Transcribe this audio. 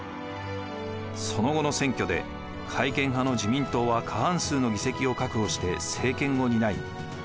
その後の選挙で改憲派の自民党は過半数の議席を確保して政権を担い